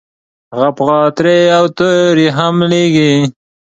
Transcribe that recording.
هغه به غاترې او توري هم لیږي.